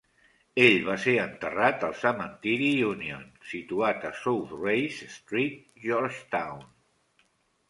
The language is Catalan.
Ell va ser enterrat al Cementiri Union, situat a South Race Street, Georgetown.